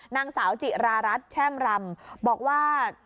นางสาวจิรารัสแช่มรำบอกว่า